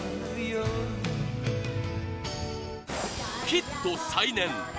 ヒット再燃！